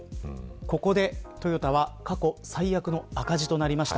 ここでトヨタは過去最悪の赤字となりました。